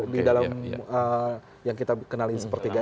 di dalam yang kita kenalin seperti itu